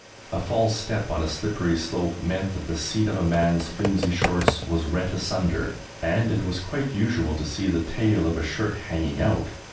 A false step on a slippery slope meant that the seat of a man's flimsy shorts was rent asunder, and it was quite usual to see the tail of a shirt hanging out!